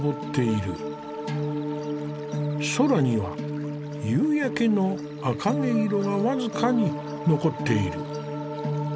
空には夕焼けの茜色が僅かに残っている。